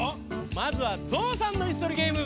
まずはゾウさんのいすとりゲーム。